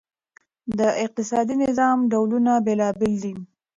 د اقتصادي نظام ډولونه بېلابیل دي.